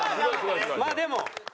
まあでも。